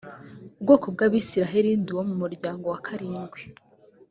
bwoko bw abisirayeli ndi uwo mu muryango wa karindwi